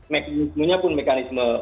mekanismenya pun mekanisme